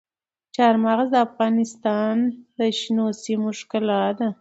چار مغز د افغانستان د شنو سیمو ښکلا ده.